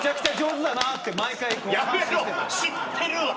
知ってるわ！